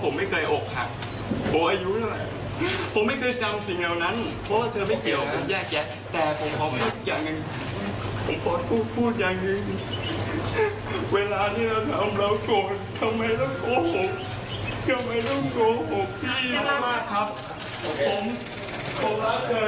ผมรักเธอจริง